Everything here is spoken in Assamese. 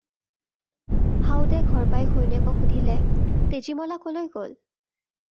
সাউদে ঘৰ পাই ঘৈণীয়েকক সুধিলে- "তেজীমলা ক'লৈ গ'ল?"